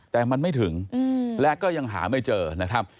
แต่มันไม่ถึงและก็ยังหาไม่เจอนะครับ